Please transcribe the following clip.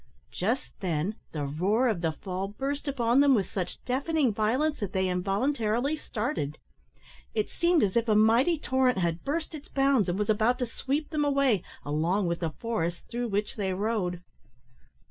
Just then the roar of the fall burst upon them with such deafening violence, that they involuntarily started. It seemed as if a mighty torrent had burst its bounds and was about to sweep them away, along with the forest through which they rode.